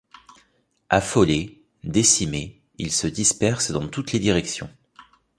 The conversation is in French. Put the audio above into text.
Affolés, décimés, ils se dispersent dans toutes les directions.